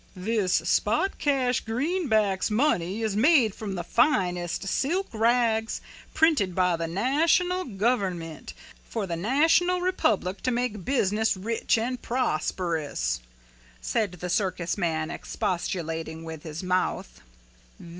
"This spot cash greenbacks money is made from the finest silk rags printed by the national government for the national republic to make business rich and prosperous," said the circus man, expostulating with his mouth.